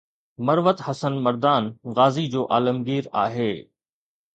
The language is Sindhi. مروت حسن مردان غازي جو عالمگير آهي